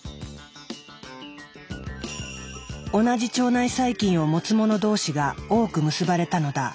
同じ腸内細菌を持つもの同士が多く結ばれたのだ。